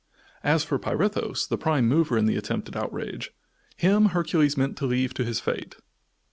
As for Pirithous, the prime mover in the attempted outrage, him Hercules meant to leave to his fate.